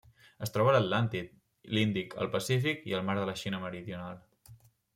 Es troba a l'Atlàntic, l'Índic, el Pacífic i el Mar de la Xina Meridional.